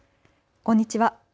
こんにちは。